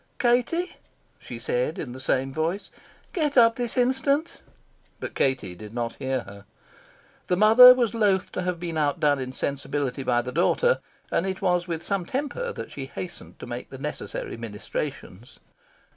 "Katie," she said, in the same voice, "get up this instant." But Katie did not hear her. The mother was loth to have been outdone in sensibility by the daughter, and it was with some temper that she hastened to make the necessary ministrations.